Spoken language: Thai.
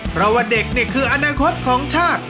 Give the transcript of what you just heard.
เพราะว่าเด็กนี่คืออนาคตของชาติ